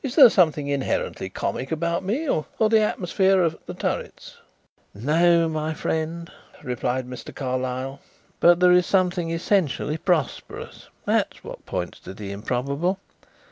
Is there something inherently comic about me or the atmosphere of The Turrets?" "No, my friend," replied Mr. Carlyle, "but there is something essentially prosperous. That is what points to the improbable.